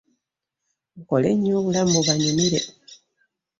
Mukole nnyo obulamu bubanyumire.